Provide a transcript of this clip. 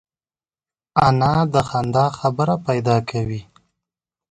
انا د خندا خبره پیدا کوي